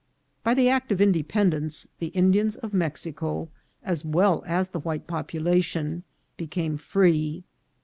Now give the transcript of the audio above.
By the act of independence, the Indians of Mexico, as well as the white population, became free.